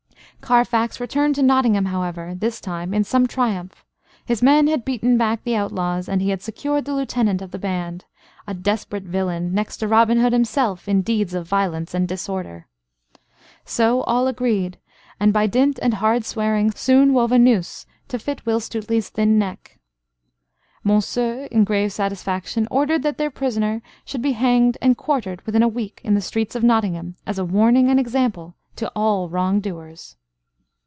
Carfax returned to Nottingham, however this time in some triumph. His men had beaten back the outlaws, and he had secured the lieutenant of the band, a "desperate villain, next to Robin Hood himself in deeds of violence and disorder." So all agreed; and by dint and hard swearing soon wove a noose to fit Will Stuteley's thin neck. Monceux, in grave satisfaction, ordered that their prisoner should be hanged and quartered, within a week, in the streets of Nottingham, as a warning and example to all wrong doers.